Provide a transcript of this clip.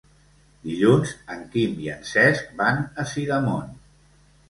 Dilluns en Quim i en Cesc van a Sidamon.